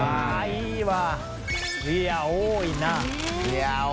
いやっ多いな。